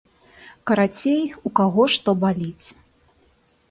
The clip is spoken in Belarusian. Карацей, у каго што баліць.